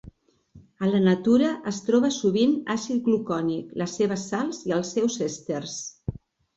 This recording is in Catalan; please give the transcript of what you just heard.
A la natura es troba sovint àcid glucònic, les seves sals i els seus èsters.